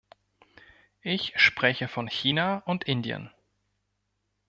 Ich spreche von China und Indien.